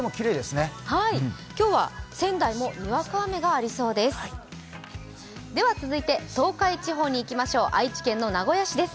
今日は仙台もにわか雨がありそうです。